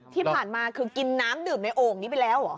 ที่ผ่านมาคือกินน้ำดื่มในโอ่งนี้ไปแล้วเหรอ